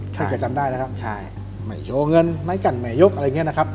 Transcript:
ใช่ใช่ไม่เยาะเงินไม่กัดไม่ยกอะไรอย่างนี้นะครับ